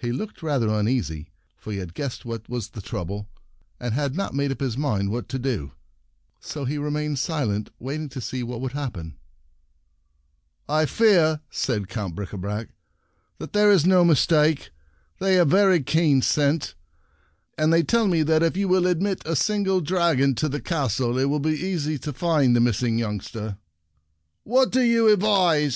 He looked rather uneasy, for he had guessed what was the trouble, and had not made up his mind what to do. So he remained The Message The Prince Comes 4 2 The Prince and the Dragons No Mis take silent, waiting to see what would happen. "I fear," said Count Brica brac, "that there is no mistake. They have very keen scent, and they tell me that if you will ad mit a single dragon to the castle it will be easy to find the miss ing youngster." " What do you advise